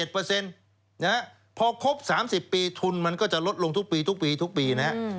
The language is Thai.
พอครบ๓๐ปีทุนมันก็จะลดลงทุกปีทุกปีทุกปีนะฮะ